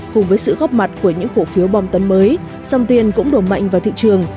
cùng với sự góp mặt của những cổ phiếu bòm tấn mới dòng tiền cũng đổ mạnh vào thị trường